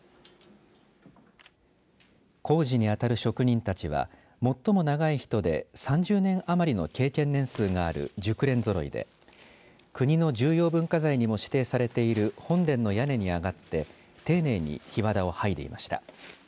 工事に当たる職人たちは最も長い人で３０年余りの経験年数がある熟練ぞろいで国の重要文化財にも指定されている本殿の屋根に上がって丁寧にひわだをはいでいました。